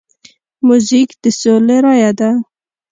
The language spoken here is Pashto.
موزیک د سولې رایه ده.